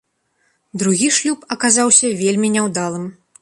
Другі шлюб аказаўся вельмі няўдалым.